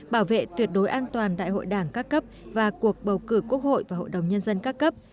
bảo vệ tuyệt đối an toàn đại hội đảng các cấp và cuộc bầu cử quốc hội và hội đồng nhân dân các cấp